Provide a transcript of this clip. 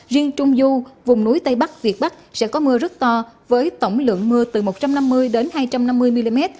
riêng trung du vùng núi tây bắc việt bắc sẽ có mưa rất to với tổng lượng mưa từ một trăm năm mươi đến hai trăm năm mươi mm